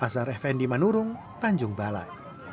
azhar effendi manurung tanjung balai